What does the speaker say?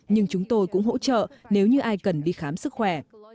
nhưng chúng tôi cũng hỗ trợ nếu như ai cần đi khám sức khỏe